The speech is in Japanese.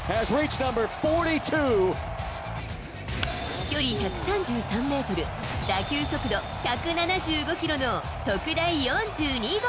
飛距離１３３メートル、打球速度１７５キロの特大４２号。